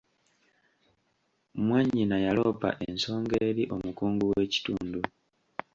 Mwannyina yaloopa ensonga eri omukungu w'ekitundu.